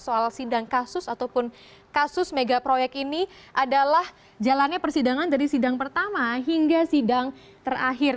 soal sidang kasus ataupun kasus megaproyek ini adalah jalannya persidangan dari sidang pertama hingga sidang terakhir